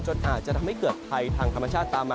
จนอาจจะทำให้เกิดไทยทางธรรมชาติ